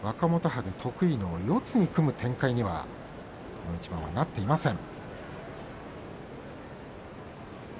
春得意の四つに組む展開にはこの一番、なっていません。